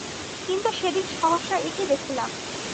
কিন্তু সেদিন সহসা এ কী দেখিলাম।